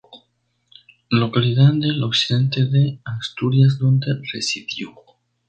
Localidad del occidente de Asturias donde residió.